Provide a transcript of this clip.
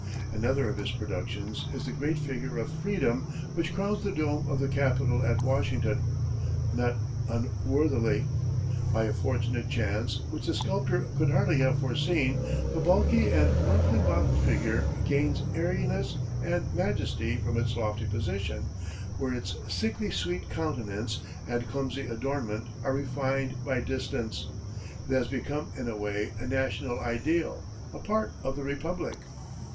Another of his productions is the great figure of Freedom which crowns the dome of the Capitol at Washington, not unworthily. By a fortunate chance, which the sculptor could hardly have foreseen, the bulky and roughly modelled figure gains airiness and majesty from its lofty position, where its sickly sweet countenance and clumsy adornment are refined by distance. It has become, in a way, a national ideal, a part of the Republic.